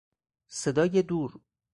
صدای دور